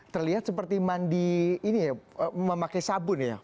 terlihat seperti mandi ini ya memakai sabun ya